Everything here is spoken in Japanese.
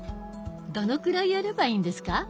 どのくらいやればいいんですか？